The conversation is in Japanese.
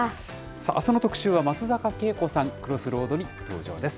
さあ、あすの特集は松坂慶子さん、クロスロードに登場です。